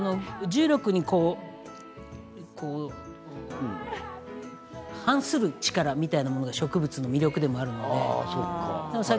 重力に反する力みたいなものが植物の魅力でもあるんです。